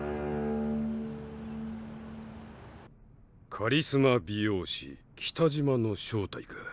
カリスマ美容師北島の正体か。